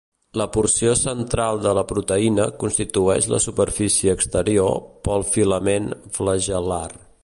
La porció central de la proteïna constitueix la superfície exterior pel filament flagel·lar.